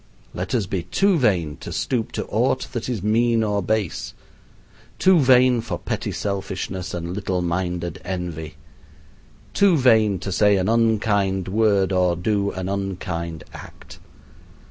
Let us be too vain to stoop to aught that is mean or base, too vain for petty selfishness and little minded envy, too vain to say an unkind word or do an unkind act.